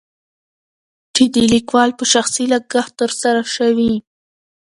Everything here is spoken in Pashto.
چې دليکوال په شخصي لګښت تر سره شوي.